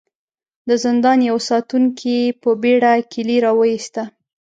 د زندان يوه ساتونکي په بېړه کيلې را وايسته.